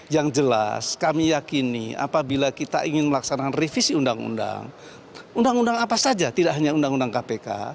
yang jelas kami yakini apabila kita ingin melaksanakan revisi undang undang undang apa saja tidak hanya undang undang kpk